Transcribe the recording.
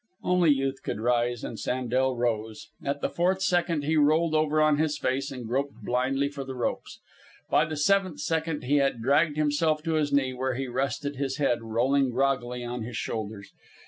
Only Youth could rise, and Sandel rose. At the fourth second he rolled over on his face and groped blindly for the ropes. By the seventh second he had dragged himself to his knee, where he rested, his head rolling groggily on his shoulders.